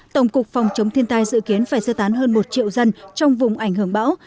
tổng cục phòng chống thiên tai dự kiến phải sơ tán hơn một triệu dân trong vùng ảnh hưởng bão